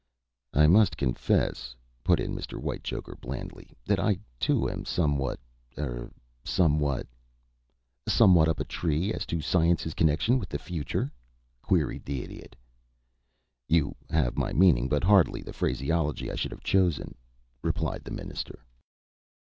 "I must confess," put in Mr. Whitechoker, blandly, "that I too am somewhat er somewhat " "Somewhat up a tree as to science's connection with the future?" queried the Idiot. "You have my meaning, but hardly the phraseology I should have chosen," replied the minister.